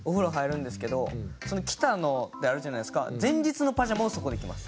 その着たのあるじゃないですか。